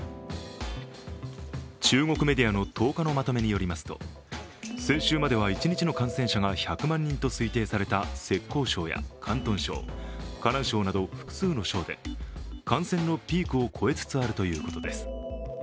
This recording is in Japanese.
中国メディアの１０日のまとめによりますと先週までは一日の感染者が１００万人と推定された浙江省や広東省、河南省など複数の省で感染のピークを超えつつあるということです。